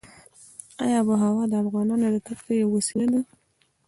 آب وهوا د افغانانو د تفریح یوه وسیله ده.